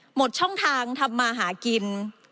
หมดช่องทางทำมาหากิน